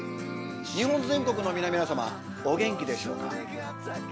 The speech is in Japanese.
日本全国の皆々様お元気でしょうか。